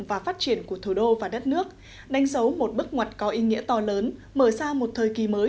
và phát triển của thủ đô và đất nước đánh dấu một bước ngoặt có ý nghĩa to lớn mở ra một thời kỳ mới